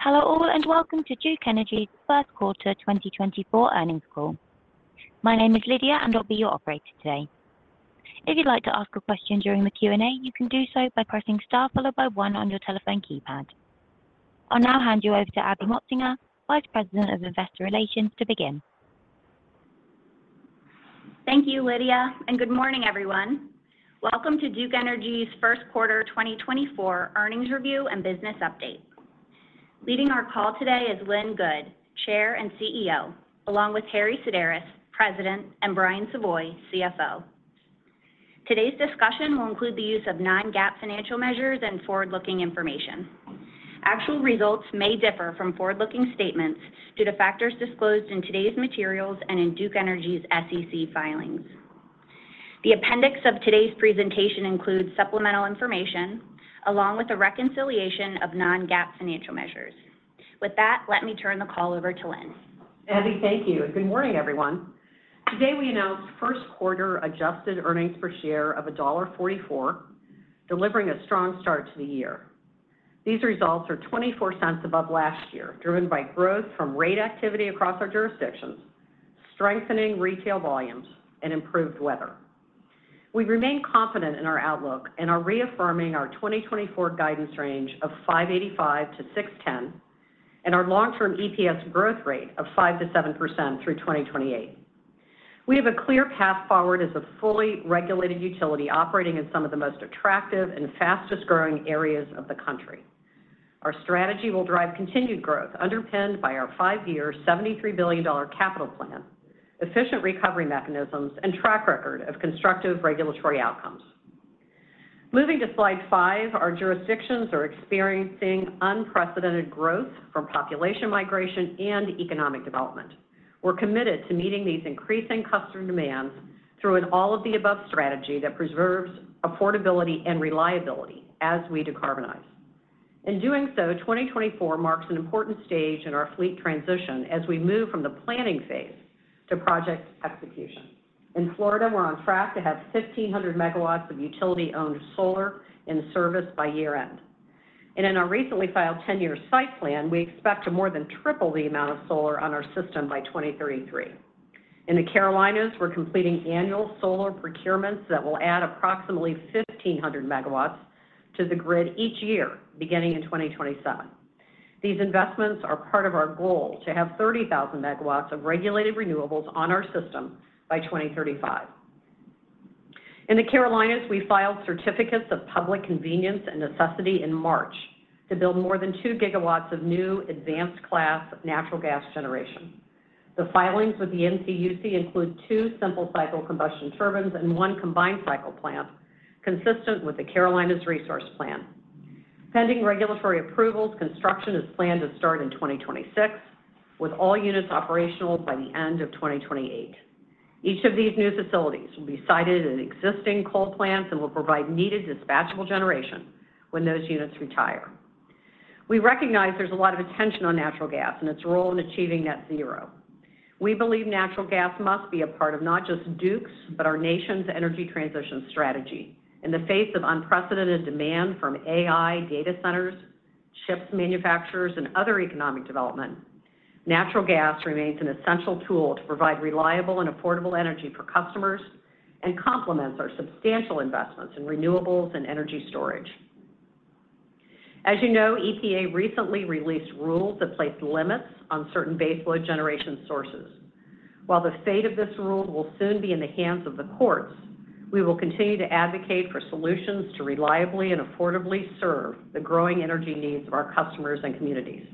Hello all and welcome to Duke Energy's First Quarter 2024 Earnings Call. My name is Lydia and I'll be your operator today. If you'd like to ask a question during the Q&A, you can do so by pressing star followed by one on your telephone keypad. I'll now hand you over to Abby Motsinger, Vice President of Investor Relations, to begin. Thank you, Lydia, and good morning, everyone. Welcome to Duke Energy's first quarter 2024 earnings review and business update. Leading our call today is Lynn Good, Chair and CEO, along with Harry Sideris, President, and Brian Savoy, CFO. Today's discussion will include the use of non GAAP financial measures and forward-looking information. Actual results may differ from forward-looking statements due to factors disclosed in today's materials and in Duke Energy's SEC filings. The appendix of today's presentation includes supplemental information along with a reconciliation of non GAAP financial measures. With that, let me turn the call over to Lynn. Abby, thank you. Good morning, everyone. Today we announced first quarter adjusted earnings per share of $1.44, delivering a strong start to the year. These results are $0.24 above last year, driven by growth from rate activity across our jurisdictions, strengthening retail volumes, and improved weather. We remain confident in our outlook and are reaffirming our 2024 guidance range of $5.85-$6.10 and our long-term EPS growth rate of 5%-7% through 2028. We have a clear path forward as a fully regulated utility operating in some of the most attractive and fastest Growing areas of the country. Our strategy will drive continued growth underpinned by our 5-year $73 billion capital plan, efficient recovery mechanisms, and track record of constructive regulatory outcomes. Moving to slide 5, our jurisdictions are experiencing unprecedented growth from population migration and economic development. We're committed to meeting these increasing customer demands through an all-of-the-above strategy that preserves affordability and reliability as we decarbonize. In doing so, 2024 marks an important stage in our fleet transition as we move from the planning phase to project execution. In Florida, we're on track to have 1,500 MW of utility-owned solar in service by year-end. In our recently filed 10-year site plan, we expect to more than triple the amount of solar on our system by 2033. In the Carolinas, we're completing annual solar procurements that will add approximately 1,500 MW to the grid each year, beginning in 2027. These investments are part of our goal to have 30,000 MW of regulated renewables on our system by 2035. In the Carolinas, we filed certificates of public convenience and necessity in March to build more than 2 GW of new advanced-class natural gas generation. The filings with the NCUC include two simple-cycle combustion turbines and one combined-cycle plant, consistent with the Carolinas Resource Plan. Pending regulatory approvals, construction is planned to start in 2026, with all units operational by the end of 2028. Each of these new facilities will be sited at existing coal plants and will provide needed dispatchable generation when those units retire. We recognize there's a lot of attention on natural gas and its role in achieving net zero. We believe natural gas must be a part of not just Duke's, but our nation's energy transition strategy. In the face of unprecedented demand from AI, data centers, chip manufacturers, and other economic development, natural gas remains an essential tool to provide reliable and affordable energy for customers and complements our substantial investments in renewables and energy storage. As you know, EPA recently released rules that placed limits on certain baseload generation sources. While the fate of this rule will soon be in the hands of the courts, we will continue to advocate for solutions to reliably and affordably serve the growing energy needs of our customers and communities.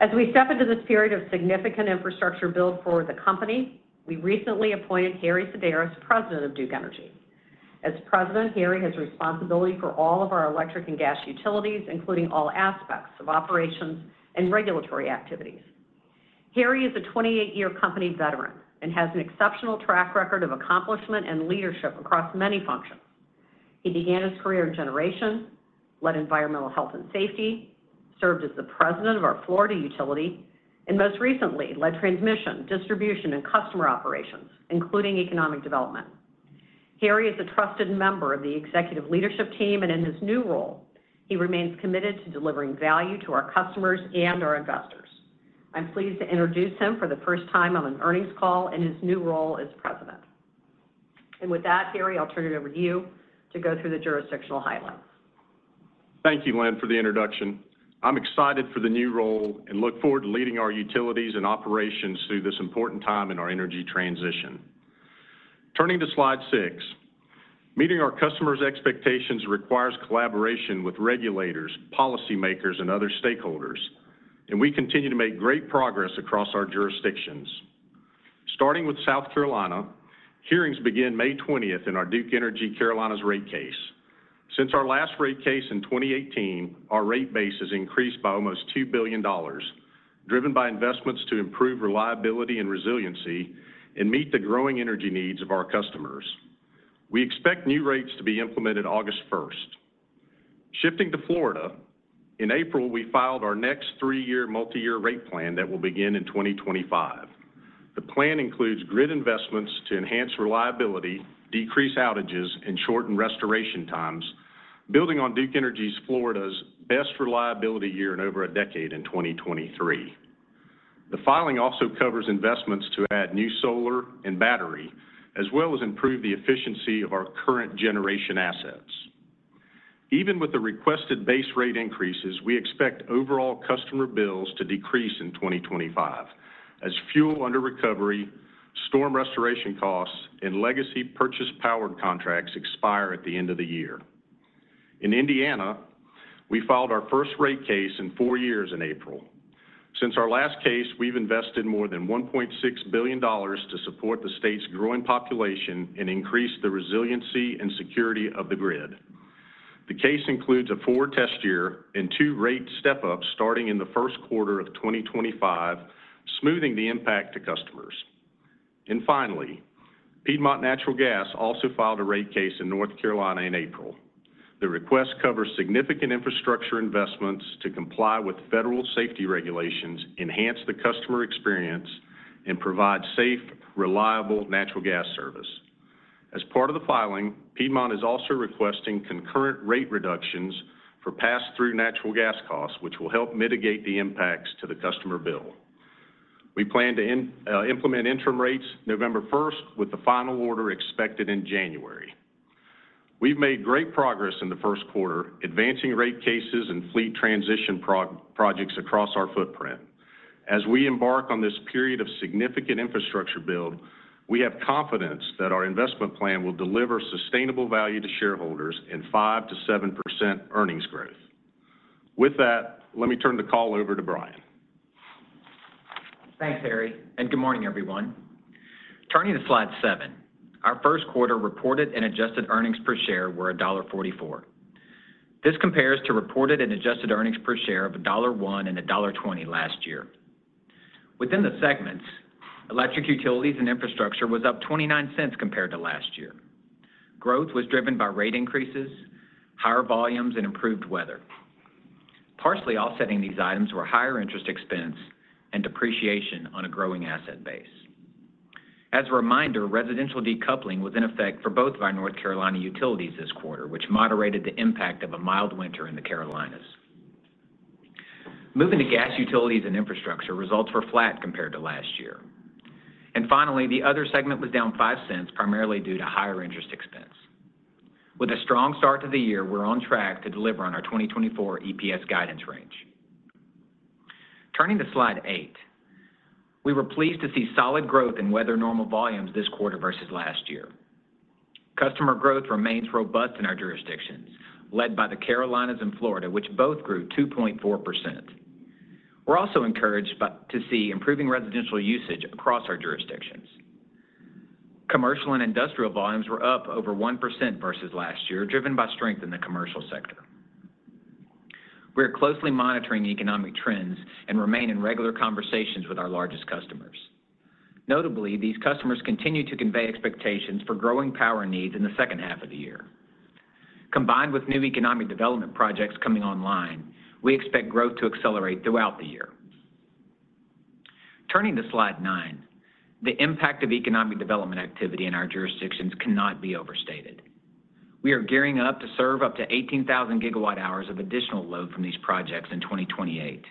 As we step into this period of significant infrastructure build for the company, we recently appointed Harry Sideris President of Duke Energy. As President, Harry has responsibility for all of our electric and gas utilities, including all aspects of operations and regulatory activities. Harry is a 28-year company veteran and has an exceptional track record of accomplishment and leadership across many functions. He began his career in generation, led environmental health and safety, served as the President of our Florida utility, and most recently led transmission, distribution, and customer operations, including economic development. Harry is a trusted member of the executive leadership team, and in his new role, he remains committed to delivering value to our customers and our investors. I'm pleased to introduce him for the first time on an earnings call in his new role as President. With that, Harry, I'll turn it over to you to go through the jurisdictional highlights. Thank you, Lynn, for the introduction. I'm excited for the new role and look forward to leading our utilities and operations through this important time in our energy transition. Turning to slide 6, meeting our customers' expectations requires collaboration with regulators, policymakers, and other stakeholders, and we continue to make great progress across our jurisdictions. Starting with South Carolina, hearings begin May 20th in our Duke Energy Carolinas rate case. Since our last rate case in 2018, our rate base has increased by almost $2 billion, driven by investments to improve reliability and resiliency and meet the growing energy needs of our customers. We expect new rates to be implemented August 1st. Shifting to Florida, in April, we filed our next 3-year multi-year rate plan that will begin in 2025. The plan includes grid investments to enhance reliability, decrease outages, and shorten restoration times, building on Duke Energy Florida's best reliability year in over a decade in 2023. The filing also covers investments to add new solar and battery, as well as improve the efficiency of our current generation assets. Even with the requested base rate increases, we expect overall customer bills to decrease in 2025, as fuel underrecovery, storm restoration costs, and legacy purchased power contracts expire at the end of the year. In Indiana, we filed our first rate case in four years in April. Since our last case, we've invested more than $1.6 billion to support the state's growing population and increase the resiliency and security of the grid. The case includes a four-test year and two rate step-ups starting in the first quarter of 2025, smoothing the impact to customers. Finally, Piedmont Natural Gas also filed a rate case in North Carolina in April. The request covers significant infrastructure investments to comply with federal safety regulations, enhance the customer experience, and provide safe, reliable natural gas service. As part of the filing, Piedmont is also requesting concurrent rate reductions for pass-through natural gas costs, which will help mitigate the impacts to the customer bill. We plan to implement interim rates November 1st, with the final order expected in January. We've made great progress in the first quarter, advancing rate cases and fleet transition projects across our footprint. As we embark on this period of significant infrastructure build, we have confidence that our investment plan will deliver sustainable value to shareholders and 5%-7% earnings growth. With that, let me turn the call over to Brian. Thanks, Harry, and good morning, everyone. Turning to Slide 7, our first quarter reported and adjusted earnings per share were $1.44. This compares to reported and adjusted earnings per share of $1.01 and $1.20 last year. Within the segments, electric utilities and infrastructure was up $0.29 compared to last year. Growth was driven by rate increases, higher volumes, and improved weather. Partially offsetting these items were higher interest expense and depreciation on a growing asset base. As a reminder, residential decoupling was in effect for both of our North Carolina utilities this quarter, which moderated the impact of a mild winter in the Carolinas. Moving to gas utilities and infrastructure, results were flat compared to last year. And finally, the other segment was down $0.05, primarily due to higher interest expense. With a strong start to the year, we're on track to deliver on our 2024 EPS guidance range. Turning to Slide 8, we were pleased to see solid growth in weather normal volumes this quarter versus last year. Customer growth remains robust in our jurisdictions, led by the Carolinas and Florida, which both grew 2.4%. We're also encouraged to see improving residential usage across our jurisdictions. Commercial and industrial volumes were up over 1% versus last year, driven by strength in the commercial sector. We are closely monitoring economic trends and remain in regular conversations with our largest customers. Notably, these customers continue to convey expectations for growing power needs in the second half of the year. Combined with new economic development projects coming online, we expect growth to accelerate throughout the year. Turning to slide 9, the impact of economic development activity in our jurisdictions cannot be overstated. We are gearing up to serve up to 18,000 GWh of additional load from these projects in 2028.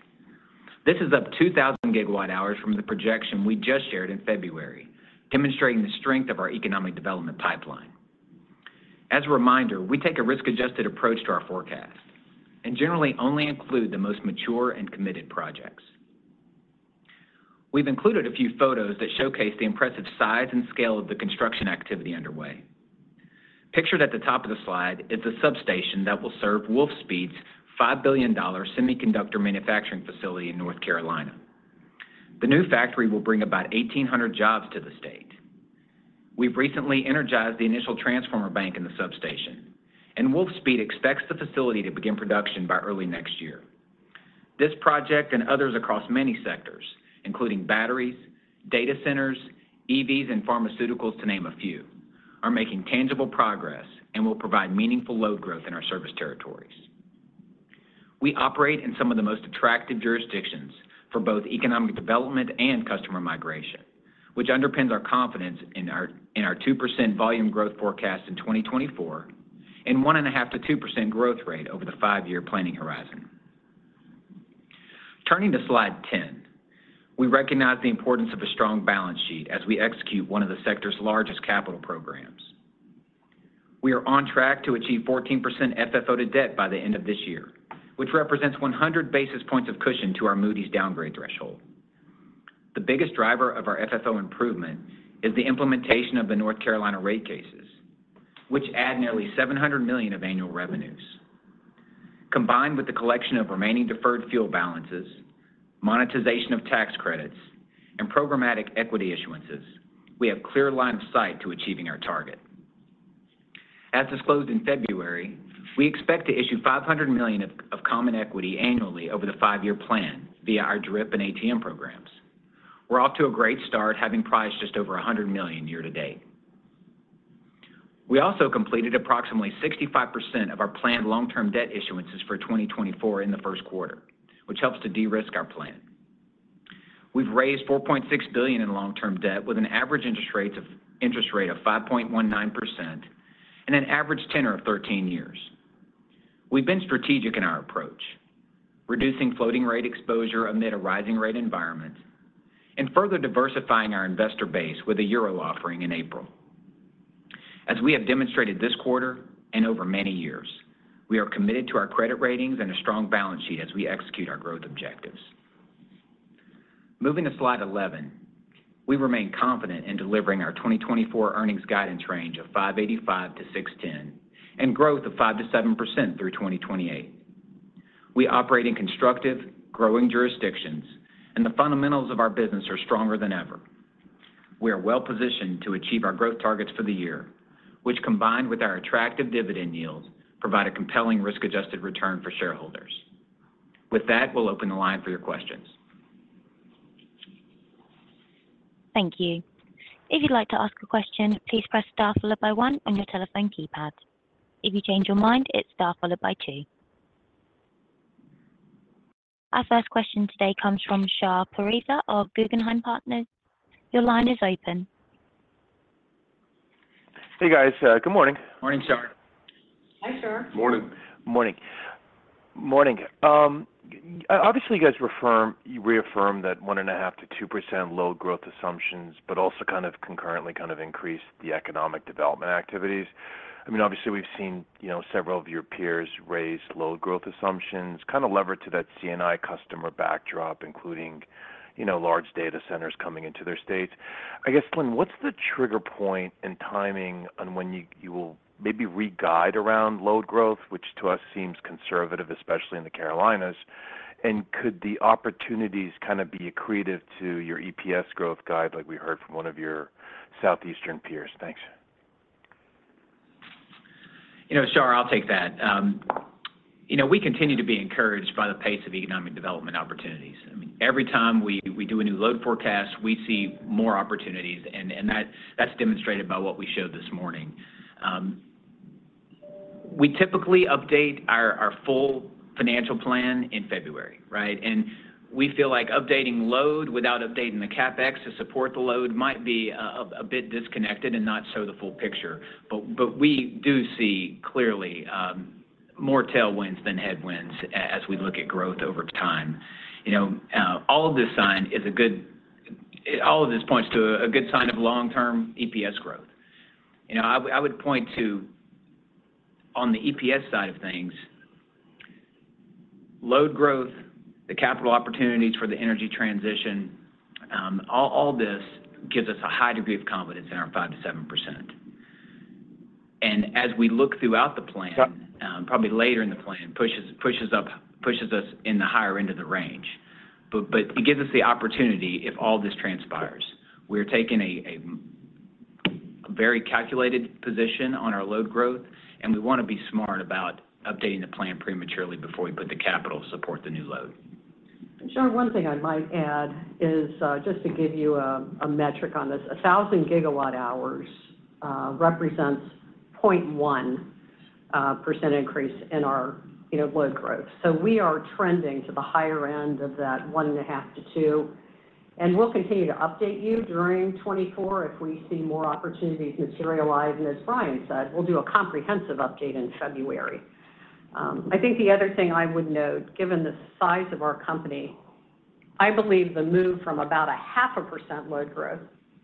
This is up 2,000 GWh from the projection we just shared in February, demonstrating the strength of our economic development pipeline. As a reminder, we take a risk-adjusted approach to our forecast and generally only include the most mature and committed projects. We've included a few photos that showcase the impressive size and scale of the construction activity underway. Pictured at the top of the slide is the substation that will serve Wolfspeed's $5 billion semiconductor manufacturing facility in North Carolina. The new factory will bring about 1,800 jobs to the state. We've recently energized the initial transformer bank in the substation, and Wolfspeed expects the facility to begin production by early next year. This project and others across many sectors, including batteries, data centers, EVs, and pharmaceuticals, to name a few, are making tangible progress and will provide meaningful load growth in our service territories. We operate in some of the most attractive jurisdictions for both economic development and customer migration, which underpins our confidence in our 2% volume growth forecast in 2024 and 1.5%-2% growth rate over the five-year planning horizon. Turning to Slide 10, we recognize the importance of a strong balance sheet as we execute one of the sector's largest capital programs. We are on track to achieve 14% FFO to debt by the end of this year, which represents 100 basis points of cushion to our Moody's downgrade threshold. The biggest driver of our FFO improvement is the implementation of the North Carolina rate cases, which add nearly $700 million of annual revenues. Combined with the collection of remaining deferred fuel balances, monetization of tax credits, and programmatic equity issuances, we have a clear line of sight to achieving our target. As disclosed in February, we expect to issue $500 million of common equity annually over the five-year plan via our DRIP and ATM programs. We're off to a great start, having priced just over $100 million year to date. We also completed approximately 65% of our planned long-term debt issuances for 2024 in the first quarter, which helps to de-risk our plan. We've raised $4.6 billion in long-term debt with an average interest rate of 5.19% and an average tenor of 13 years. We've been strategic in our approach, reducing floating rate exposure amid a rising rate environment and further diversifying our investor base with a euro offering in April. As we have demonstrated this quarter and over many years, we are committed to our credit ratings and a strong balance sheet as we execute our growth objectives. Moving to Slide 11, we remain confident in delivering our 2024 earnings guidance range of $5.85-$6.10 and growth of 5%-7% through 2028. We operate in constructive, growing jurisdictions, and the fundamentals of our business are stronger than ever. We are well positioned to achieve our growth targets for the year, which, combined with our attractive dividend yields, provide a compelling risk-adjusted return for shareholders. With that, we'll open the line for your questions. Thank you. If you'd like to ask a question, please press star followed by one on your telephone keypad. If you change your mind, it's star followed by 2. Our first question today comes from Shahriar Pourreza of Guggenheim Partners. Your line is open. Hey, guys. Good morning. Morning, Shar. Hi, Shar. Morning. Morning. Morning. Obviously, you guys reaffirm that 1.5%-2% load growth assumptions, but also kind of concurrently kind of increase the economic development activities. I mean, obviously, we've seen several of your peers raise load growth assumptions, kind of leverage to that C&I customer backdrop, including large data centers coming into their states. I guess, Lynn, what's the trigger point and timing on when you will maybe reguide around load growth, which to us seems conservative, especially in the Carolinas? And could the opportunities kind of be accretive to your EPS growth guide like we heard from one of your southeastern peers? Thanks. Shar, I'll take that. We continue to be encouraged by the pace of economic development opportunities. I mean, every time we do a new load forecast, we see more opportunities, and that's demonstrated by what we showed this morning. We typically update our full financial plan in February, right? And we feel like updating load without updating the CapEx to support the load might be a bit disconnected and not so the full picture. But we do see clearly more tailwinds than headwinds as we look at growth over time. All of this is a good sign. All of this points to a good sign of long-term EPS growth. I would point to, on the EPS side of things, load growth, the capital opportunities for the energy transition. All this gives us a high degree of confidence in our 5%-7%. And as we look throughout the plan, probably later in the plan, pushes us in the higher end of the range. But it gives us the opportunity if all this transpires. We are taking a very calculated position on our load growth, and we want to be smart about updating the plan prematurely before we put the capital to support the new load. Shar, one thing I might add is just to give you a metric on this. 1,000 GWh represents 0.1% increase in our load growth. So we are trending to the higher end of that 1.5%-2%. And we'll continue to update you during 2024 if we see more opportunities materialize. And as Brian said, we'll do a comprehensive update in February. I think the other thing I would note, given the size of our company, I believe the move from about 0.5% load growth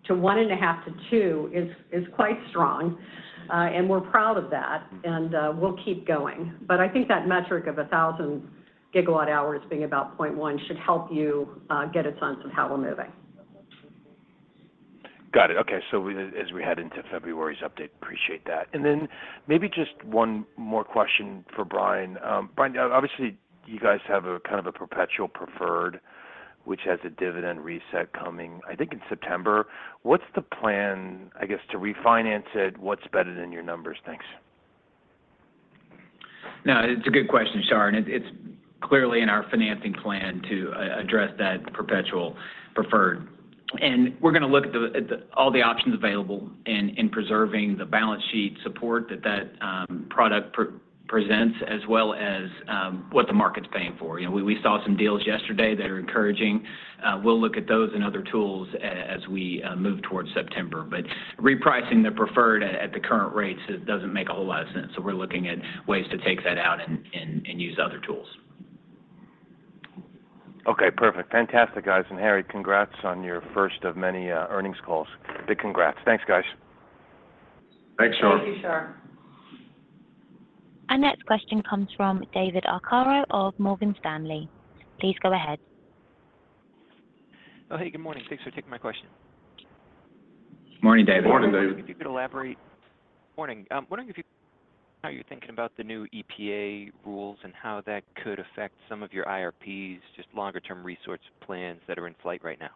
to 1.5%-2% is quite strong, and we're proud of that. And we'll keep going. But I think that metric of 1,000 GWh being about 0.1% should help you get a sense of how we're moving. Got it. Okay. So as we head into February's update, appreciate that. And then maybe just one more question for Brian. Brian, obviously, you guys have kind of a perpetual preferred, which has a dividend reset coming, I think, in September. What's the plan, I guess, to refinance it? What's better than your numbers? Thanks. No, it's a good question, Shar. It's clearly in our financing plan to address that perpetual preferred. We're going to look at all the options available in preserving the balance sheet support that that product presents, as well as what the market's paying for. We saw some deals yesterday that are encouraging. We'll look at those and other tools as we move towards September. Repricing the preferred at the current rates, it doesn't make a whole lot of sense. We're looking at ways to take that out and use other tools. Okay. Perfect. Fantastic, guys. And Harry, congrats on your first of many earnings calls. Big congrats. Thanks, guys. Thanks, Shaar. Thank you, Shar. Our next question comes from David Arcaro of Morgan Stanley. Please go ahead. Oh, hey. Good morning. Thanks for taking my question. Morning, David. Morning, David. Could you elaborate? Morning. I'm wondering if you could tell me how you're thinking about the new EPA rules and how that could affect some of your IRPs, just longer-term resource plans that are in flight right now.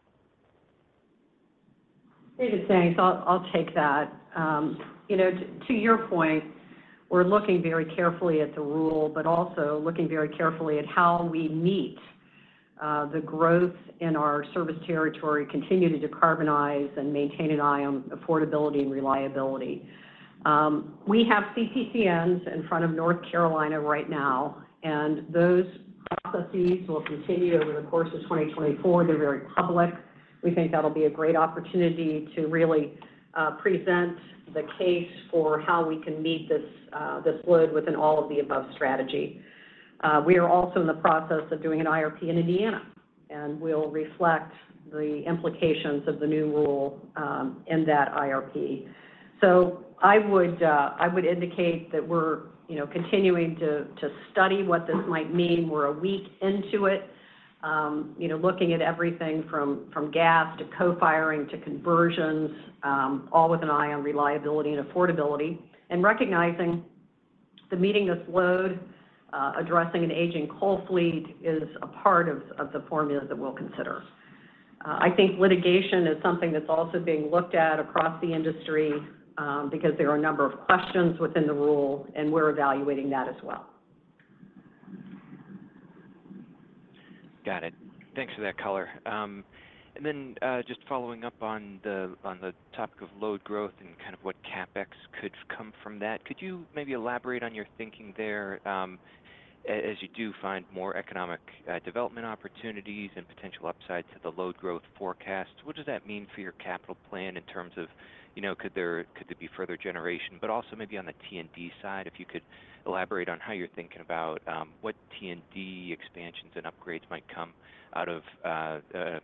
David, thanks. I'll take that. To your point, we're looking very carefully at the rule, but also looking very carefully at how we meet the growth in our service territory, continue to decarbonize, and maintain an eye on affordability and reliability. We have CPCNs in front of North Carolina right now, and those processes will continue over the course of 2024. They're very public. We think that'll be a great opportunity to really present the case for how we can meet this load within all of the above strategy. We are also in the process of doing an IRP in Indiana, and we'll reflect the implications of the new rule in that IRP. So I would indicate that we're continuing to study what this might mean. We're a week into it, looking at everything from gas to co-firing to conversions, all with an eye on reliability and affordability, and recognizing the meeting this load, addressing an aging coal fleet, is a part of the formula that we'll consider. I think litigation is something that's also being looked at across the industry because there are a number of questions within the rule, and we're evaluating that as well. Got it. Thanks for that color. And then just following up on the topic of load growth and kind of what CapEx could come from that, could you maybe elaborate on your thinking there as you do find more economic development opportunities and potential upside to the load growth forecast? What does that mean for your capital plan in terms of could there be further generation? But also maybe on the T&D side, if you could elaborate on how you're thinking about what T&D expansions and upgrades might come out of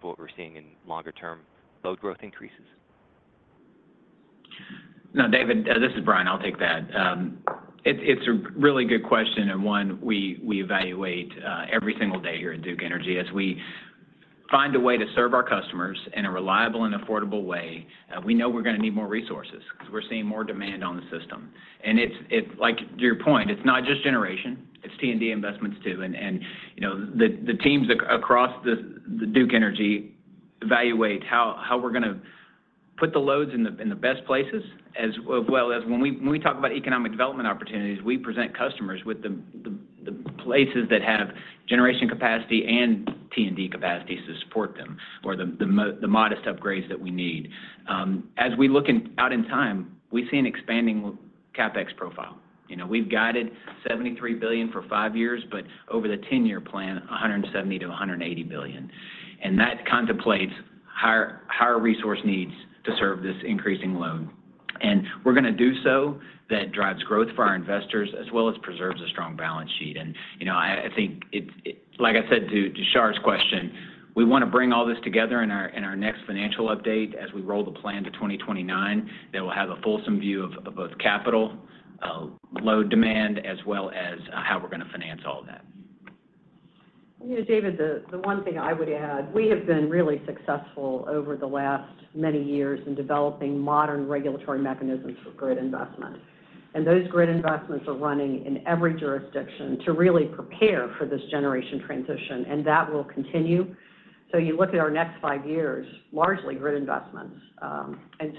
what we're seeing in longer-term load growth increases. No, David. This is Brian. I'll take that. It's a really good question. And one, we evaluate every single day here at Duke Energy. As we find a way to serve our customers in a reliable and affordable way, we know we're going to need more resources because we're seeing more demand on the system. And to your point, it's not just generation. It's T&D investments, too. And the teams across Duke Energy evaluate how we're going to put the loads in the best places, as well as when we talk about economic development opportunities, we present customers with the places that have generation capacity and T&D capacity to support them or the modest upgrades that we need. As we look out in time, we see an expanding CapEx profile. We've guided $73 billion for five years, but over the 10-year plan, $170 billion-$180 billion. That contemplates higher resource needs to serve this increasing load. We're going to do so. That drives growth for our investors, as well as preserves a strong balance sheet. I think, like I said, to Shar's question, we want to bring all this together in our next financial update as we roll the plan to 2029 that will have a fulsome view of both capital, load demand, as well as how we're going to finance all that. David, the one thing I would add, we have been really successful over the last many years in developing modern regulatory mechanisms for grid investment. Those grid investments are running in every jurisdiction to really prepare for this generation transition, and that will continue. You look at our next five years, largely grid investments.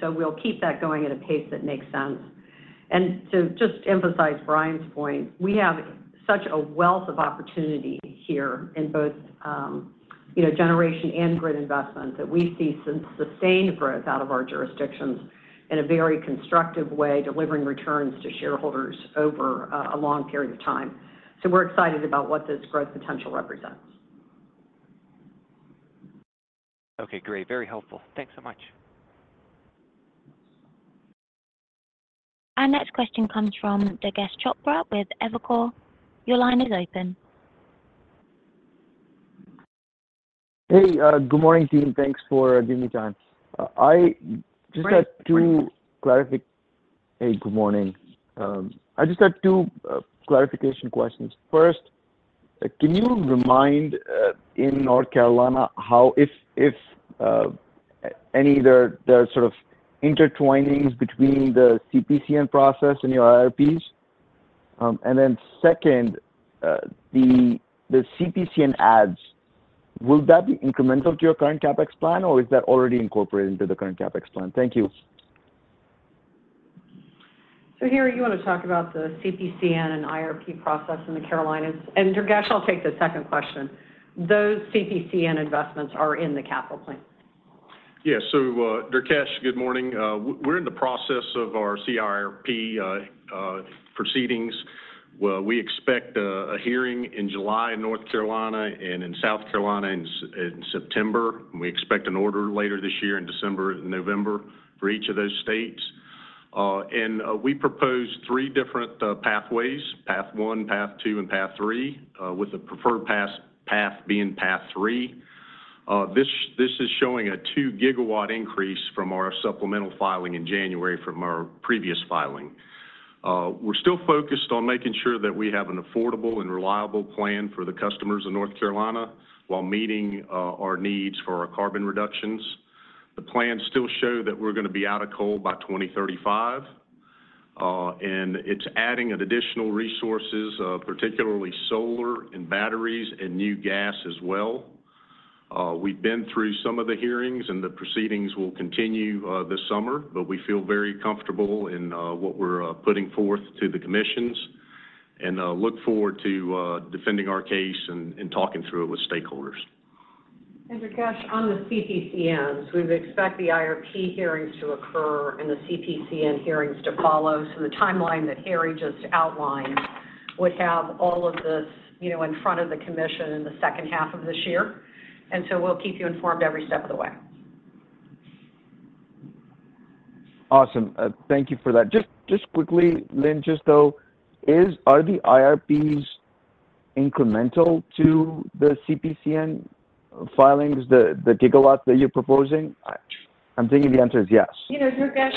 We'll keep that going at a pace that makes sense. To just emphasize Brian's point, we have such a wealth of opportunity here in both generation and grid investment that we see sustained growth out of our jurisdictions in a very constructive way, delivering returns to shareholders over a long period of time. We're excited about what this growth potential represents. Okay. Great. Very helpful. Thanks so much. Our next question comes from Durgesh Chopra with Evercore ISI. Your line is open. Hey, good morning. I just had two clarification questions. First, can you remind in North Carolina if any there are sort of intertwinings between the CPCN process and your IRPs? And then second, the CPCN ads, will that be incremental to your current CapEx plan, or is that already incorporated into the current CapEx plan? Thank you. Harry, you want to talk about the CPCN and IRP process in the Carolinas. Durgesh, I'll take the second question. Those CPCN investments are in the capital plan. Yeah. So Durgesh, good morning. We're in the process of our CPIRP proceedings. We expect a hearing in July in North Carolina and in South Carolina in September. We expect an order later this year in December and November for each of those states. And we propose three different pathways: Path 1, Path 2, and Path 3, with the preferred path being Path 3. This is showing a 2 GW increase from our supplemental filing in January from our previous filing. We're still focused on making sure that we have an affordable and reliable plan for the customers in North Carolina while meeting our needs for our carbon reductions. The plans still show that we're going to be out of coal by 2035. And it's adding additional resources, particularly solar and batteries and new gas as well. We've been through some of the hearings, and the proceedings will continue this summer. We feel very comfortable in what we're putting forth to the commissions and look forward to defending our case and talking through it with stakeholders. Durgesh, on the CPCNs, we expect the IRP hearings to occur and the CPCN hearings to follow. So the timeline that Harry just outlined would have all of this in front of the commission in the second half of this year. So we'll keep you informed every step of the way. Awesome. Thank you for that. Just quickly, Lynn, just thought, are the IRPs incremental to the CPCN filings, the gigawatts that you're proposing? I'm thinking the answer is yes. Durgesh,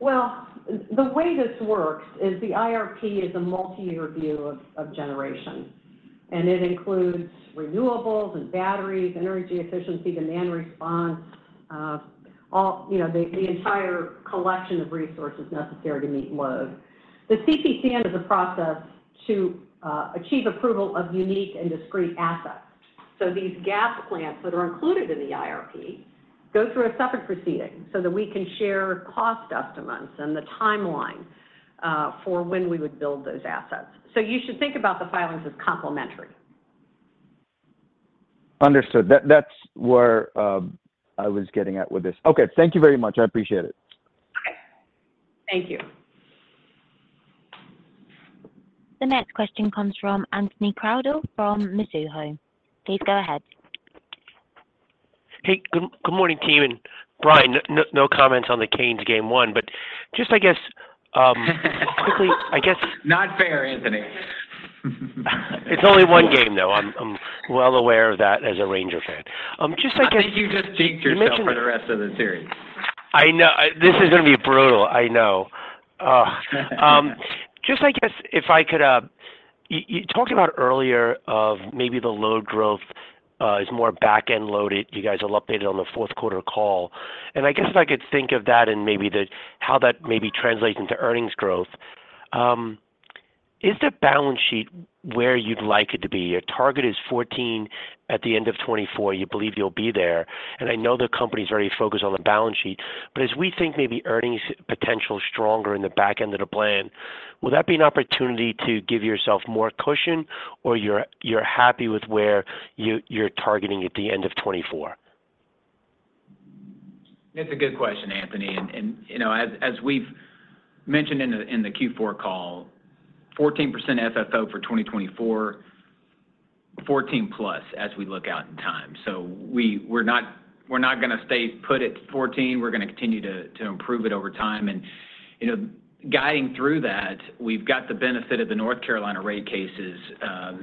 well, the way this works is the IRP is a multi-year view of generation. It includes renewables and batteries, energy efficiency, demand response, the entire collection of resources necessary to meet load. The CPCN is a process to achieve approval of unique and discrete assets. These gas plants that are included in the IRP go through a separate proceeding so that we can share cost estimates and the timeline for when we would build those assets. You should think about the filings as complementary. Understood. That's where I was getting at with this. Okay. Thank you very much. I appreciate it. Okay. Thank you. The next question comes from Anthony Crowdell from Mizuho. Please go ahead. Hey. Good morning, team. Brian, no comments on the Canes game one, but just, I guess, quickly, I guess. Not fair, Anthony. It's only one game, though. I'm well aware of that as a Ranger fan. Just, I guess. I think you just jinxed yourself for the rest of the series. I know. This is going to be brutal. I know. Just, I guess, if I could talk about earlier of maybe the load growth is more back-end loaded. You guys will update it on the fourth quarter call. And I guess if I could think of that and maybe how that maybe translates into earnings growth, is the balance sheet where you'd like it to be? Your target is 14 at the end of 2024. You believe you'll be there. And I know the company's very focused on the balance sheet. But as we think maybe earnings potential stronger in the back end of the plan, will that be an opportunity to give yourself more cushion, or you're happy with where you're targeting at the end of 2024? That's a good question, Anthony. And as we've mentioned in the Q4 call, 14% FFO for 2024, 14+% as we look out in time. So we're not going to put it to 14. We're going to continue to improve it over time. And guiding through that, we've got the benefit of the North Carolina rate cases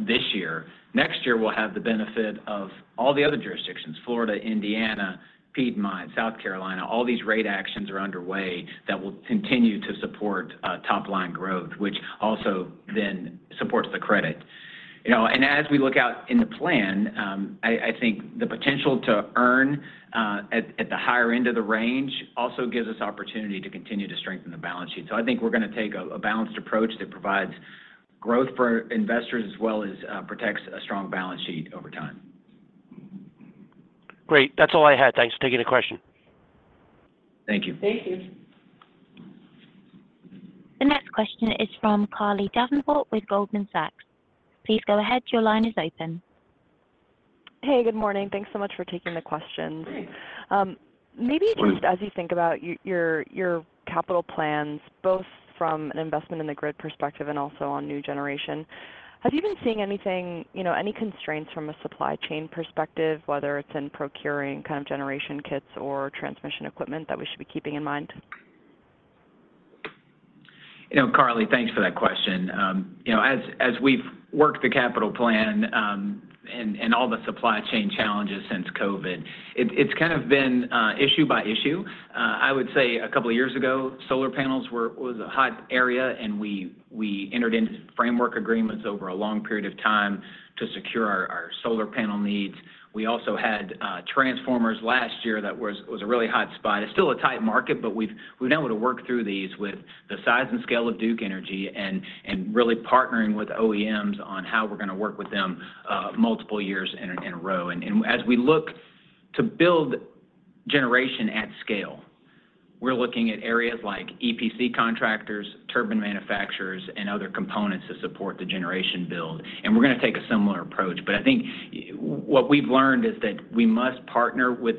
this year. Next year, we'll have the benefit of all the other jurisdictions: Florida, Indiana, Piedmont, South Carolina. All these rate actions are underway that will continue to support top-line growth, which also then supports the credit. And as we look out in the plan, I think the potential to earn at the higher end of the range also gives us opportunity to continue to strengthen the balance sheet. So I think we're going to take a balanced approach that provides growth for investors as well as protects a strong balance sheet over time. Great. That's all I had. Thanks for taking the question. Thank you. Thank you. The next question is from Carly Davenport with Goldman Sachs. Please go ahead. Your line is open. Hey. Good morning. Thanks so much for taking the questions. Maybe just as you think about your capital plans, both from an investment in the grid perspective and also on new generation, have you been seeing any constraints from a supply chain perspective, whether it's in procuring kind of generation kits or transmission equipment that we should be keeping in mind? Carly, thanks for that question. As we've worked the capital plan and all the supply chain challenges since COVID, it's kind of been issue by issue. I would say a couple of years ago, solar panels was a hot area, and we entered into framework agreements over a long period of time to secure our solar panel needs. We also had transformers last year that was a really hot spot. It's still a tight market, but we've been able to work through these with the size and scale of Duke Energy and really partnering with OEMs on how we're going to work with them multiple years in a row. As we look to build generation at scale, we're looking at areas like EPC contractors, turbine manufacturers, and other components to support the generation build. We're going to take a similar approach. I think what we've learned is that we must partner with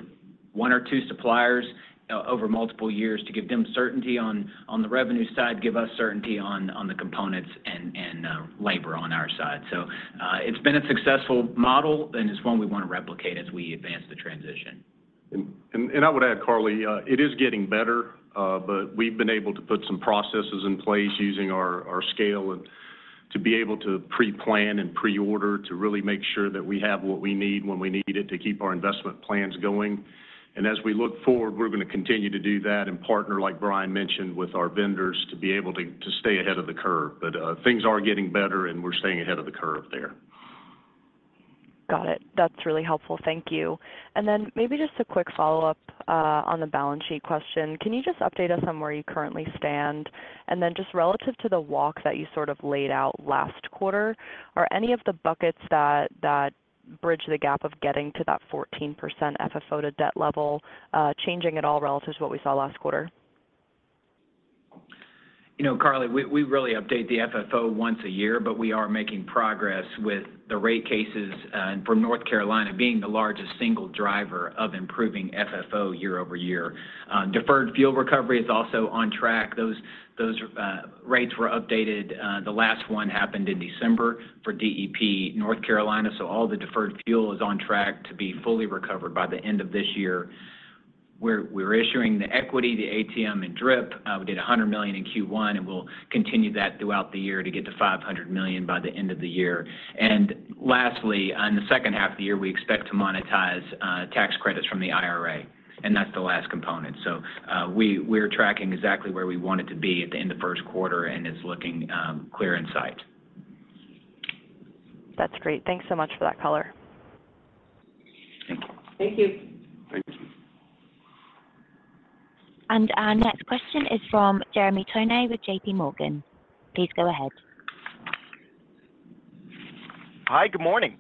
one or two suppliers over multiple years to give them certainty on the revenue side, give us certainty on the components, and labor on our side. It's been a successful model, and it's one we want to replicate as we advance the transition. And I would add, Carly, it is getting better, but we've been able to put some processes in place using our scale to be able to preplan and preorder to really make sure that we have what we need when we need it to keep our investment plans going. And as we look forward, we're going to continue to do that and partner, like Brian mentioned, with our vendors to be able to stay ahead of the curve. But things are getting better, and we're staying ahead of the curve there. Got it. That's really helpful. Thank you. And then maybe just a quick follow-up on the balance sheet question. Can you just update us on where you currently stand? And then just relative to the walk that you sort of laid out last quarter, are any of the buckets that bridge the gap of getting to that 14% FFO to debt level changing at all relative to what we saw last quarter? Carly, we really update the FFO once a year, but we are making progress with the rate cases from North Carolina being the largest single driver of improving FFO year-over-year. Deferred fuel recovery is also on track. Those rates were updated. The last one happened in December for DEP North Carolina. So all the deferred fuel is on track to be fully recovered by the end of this year. We're issuing the equity, the ATM, and DRIP. We did $100 million in Q1, and we'll continue that throughout the year to get to $500 million by the end of the year. And lastly, in the second half of the year, we expect to monetize tax credits from the IRA. And that's the last component. So we're tracking exactly where we want it to be at the end of first quarter, and it's looking clear in sight. That's great. Thanks so much for that color. Thank you. Thank you. Our next question is from Jeremy Tonet with J.P. Morgan. Please go ahead. Hi. Good morning.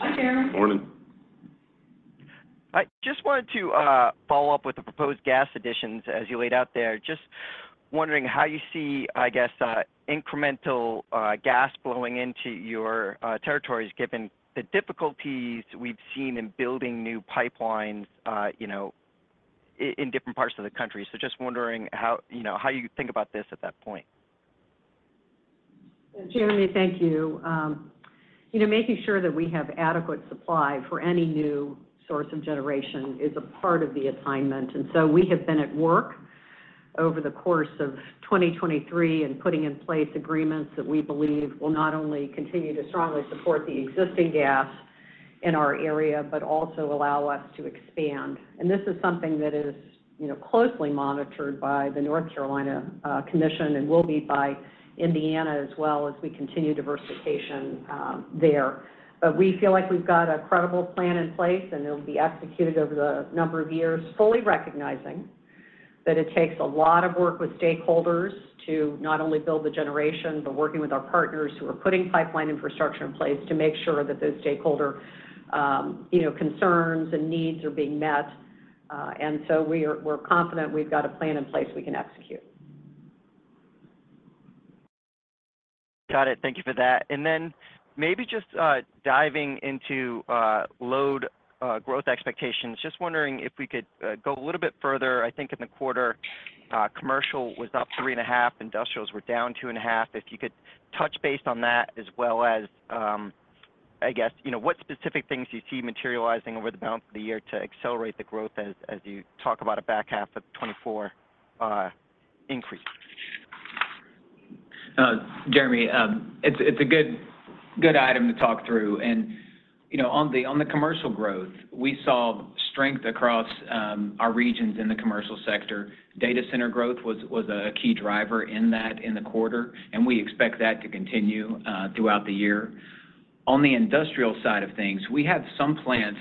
Hi, Jeremy. Morning. I just wanted to follow up with the proposed gas additions as you laid out there. Just wondering how you see, I guess, incremental gas flowing into your territories given the difficulties we've seen in building new pipelines in different parts of the country. So just wondering how you think about this at that point? Jeremy, thank you. Making sure that we have adequate supply for any new source of generation is a part of the assignment. And so we have been at work over the course of 2023 in putting in place agreements that we believe will not only continue to strongly support the existing gas in our area but also allow us to expand. And this is something that is closely monitored by the North Carolina Commission and will be by Indiana as well as we continue diversification there. But we feel like we've got a credible plan in place, and it'll be executed over the number of years, fully recognizing that it takes a lot of work with stakeholders to not only build the generation but working with our partners who are putting pipeline infrastructure in place to make sure that those stakeholder concerns and needs are being met. We're confident we've got a plan in place we can execute. Got it. Thank you for that. And then maybe just diving into load growth expectations, just wondering if we could go a little bit further. I think in the quarter, commercial was up 3.5. Industrials were down 2.5. If you could touch base on that as well as, I guess, what specific things you see materializing over the balance of the year to accelerate the growth as you talk about a back half of 2024 increase. Jeremy, it's a good item to talk through. On the commercial growth, we saw strength across our regions in the commercial sector. Data center growth was a key driver in that in the quarter, and we expect that to continue throughout the year. On the industrial side of things, we have some plants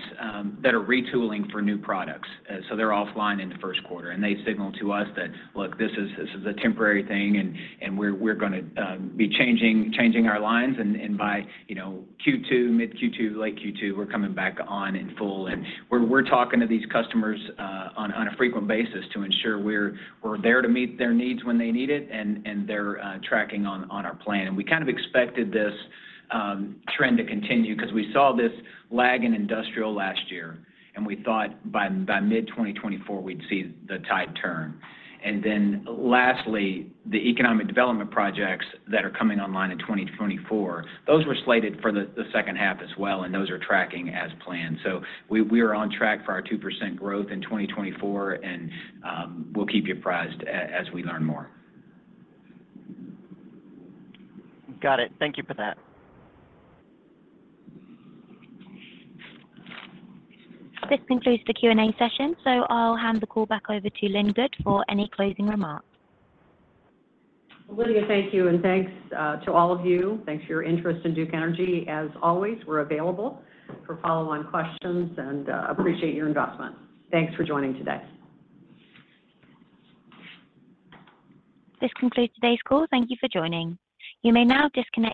that are retooling for new products. They're offline in the first quarter, and they signal to us that, "Look, this is a temporary thing, and we're going to be changing our lines. And by Q2, mid-Q2, late Q2, we're coming back on in full." We're talking to these customers on a frequent basis to ensure we're there to meet their needs when they need it, and they're tracking on our plan. We kind of expected this trend to continue because we saw this lag in industrial last year, and we thought by mid-2024, we'd see the tide turn. Then lastly, the economic development projects that are coming online in 2024, those were slated for the second half as well, and those are tracking as planned. We are on track for our 2% growth in 2024, and we'll keep you apprised as we learn more. Got it. Thank you for that. This concludes the Q&A session. I'll hand the call back over to Lynn Good for any closing remarks. Lydia, thank you. Thanks to all of you. Thanks for your interest in Duke Energy. As always, we're available for follow-on questions and appreciate your investment. Thanks for joining today. This concludes today's call. Thank you for joining. You may now disconnect.